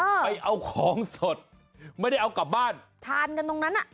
ไปเอาของสดไม่ได้เอากลับบ้านทานกันตรงนั้นอ่ะ